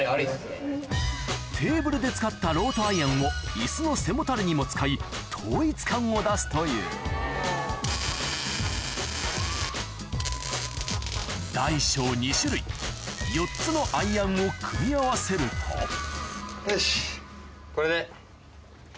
テーブルで使ったロートアイアンを椅子の背もたれにも使い統一感を出すという大小２種類４つのアイアンを組み合わせるとよしこれで。